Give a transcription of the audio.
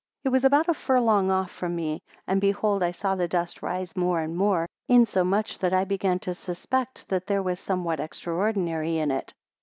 7 It was about a furlong off from me. And behold I saw the dust rise more and more, insomuch that I began to suspect that there was somewhat extraordinary in it.